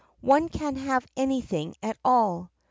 One can have anything at all.